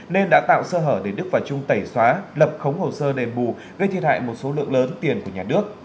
nên đã tạo sơ hở để đức và trung tẩy xóa lập khống hồ sơ đền bù gây thiệt hại một số lượng lớn tiền của nhà nước